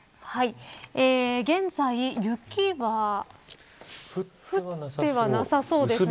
現在、雪は降ってはなさそうですね。